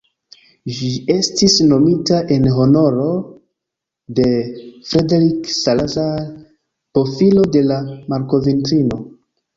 Ĝi estis nomita en honoro de "Frederick Salazar", bofilo de la malkovrintino.